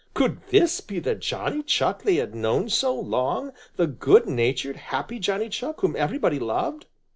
Could this be the Johnny Chuck they had known so long, the good natured, happy Johnny Chuck whom everybody loved?